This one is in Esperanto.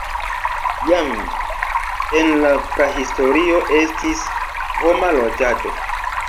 Jam en la prahistorio estis homa loĝado.